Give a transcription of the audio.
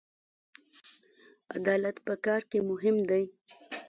عدالت په کار کې مهم دی